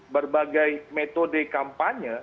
berbagai metode kampanye